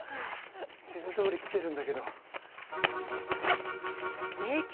地図どおり来てるんだけど迷宮